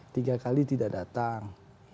tiga kali tidak datang